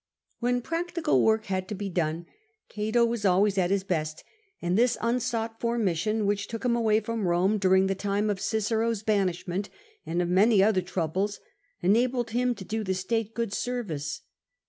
When practical work had to be done, Cato was always at his best, and this unsought for mission, which took him away from Rome during the time of Cicero's banish ment, and of many other troubles, enabled him to do the state good service.